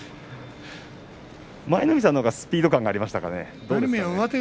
舞の海さんのほうがスピード感がありましたかね。